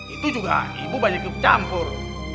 itu juga ibu banyak ikut campur